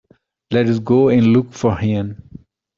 Let's go and look for him!